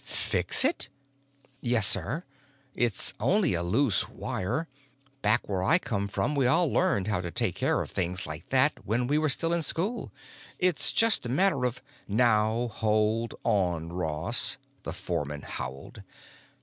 "Fix it?" "Yes, sir. It's only a loose wire. Back where I come from, we all learned how to take care of things like that when we were still in school. It's just a matter of——" "Now, hold on, Ross"; the foreman howled.